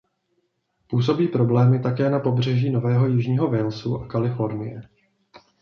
Působí problémy také na pobřeží Nového Jižního Walesu a Kalifornie.